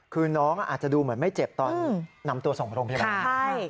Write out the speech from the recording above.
คือน้องอาจจะดูเหมือนไม่เจ็บตอนนำตัวส่งโรงพยาบาลใช่